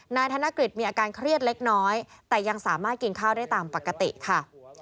นายกธนกฤษมีอาการเครียดเล็กน้อยแต่ยังสามารถกินข้าวได้ตามปกติค่ะ